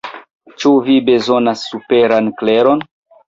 Ĉu vi bezonas superan kleron?